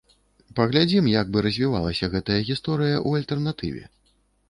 Паглядзім, як бы развівалася гэтая гісторыя ў альтэрнатыве.